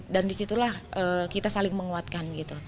dan di situlah kita saling menguatkan